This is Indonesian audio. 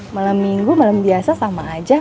malam minggu malam biasa sama aja